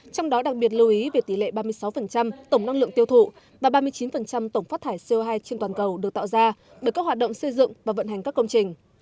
trong đó đặc biệt lưu ý về tỷ lệ ba mươi sáu tổng năng lượng tiêu thụ và ba mươi chín tổng phát thải co hai trên toàn cầu được tạo ra bởi các hoạt động xây dựng và vận hành các công trình